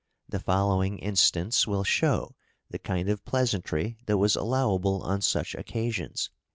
The following instance will show the kind of pleasantry that was allowable on such occasions.